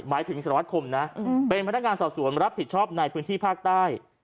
หมายถึงสารวัตคมนะเป็นพนักงานสอบสวนรับผิดชอบในพื้นที่ภาคใต้